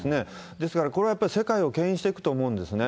ですからこれはやっぱり、世界をけん引していくと思うんですね。